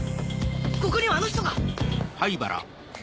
ここにはあの人が